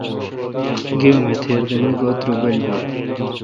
گے ام تھیر دہ میگو درُبل بیل۔